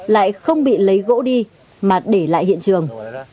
lại không bị lấy gỗ đi mà để lại hiện trường